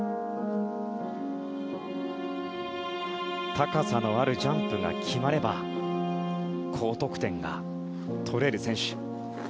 高さのあるジャンプが決まれば高得点が取れる選手。